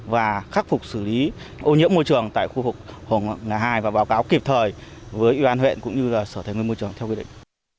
và khắc phục xử lý ô nhiễm môi trường tại khu vực hồ ngã hai và báo cáo kịp thời với ưu an huyện cũng như sở thành ngôi môi trường theo quy định